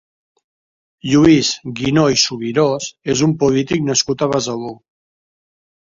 Lluís Guinó i Subirós és un polític nascut a Besalú.